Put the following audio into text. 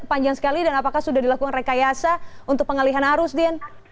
panjang sekali dan apakah sudah dilakukan rekayasa untuk pengalihan arus dian